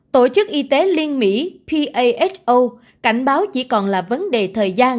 tổ chức y tế liên mỹ paso cảnh báo chỉ còn là vấn đề thời gian